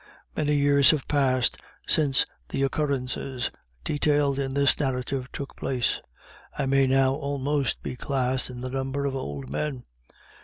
Many years have passed since the occurrences detailed in this narrative took place. I may now almost be classed in the number of old men.